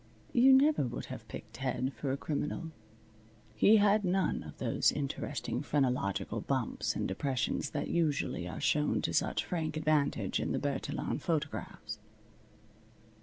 You never would have picked Ted for a criminal. He had none of those interesting phrenological bumps and depressions that usually are shown to such frank advantage in the Bertillon photographs.